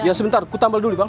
ya sebentar aku tambah dulu bang